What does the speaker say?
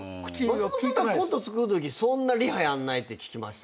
松本さんコント作るときそんなリハやんないって聞きましたね。